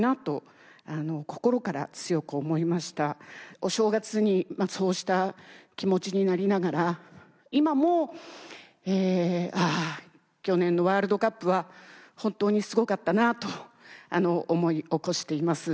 お正月にそうした気持ちになりながら今も去年のワールドカップは本当にすごかったなと思い起こしています。